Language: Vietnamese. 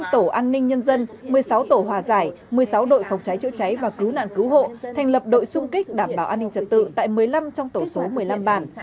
một mươi tổ an ninh nhân dân một mươi sáu tổ hòa giải một mươi sáu đội phòng cháy chữa cháy và cứu nạn cứu hộ thành lập đội xung kích đảm bảo an ninh trật tự tại một mươi năm trong tổ số một mươi năm bản